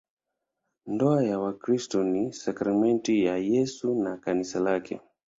Ndoa ya Wakristo ni sakramenti ya Yesu na Kanisa lake.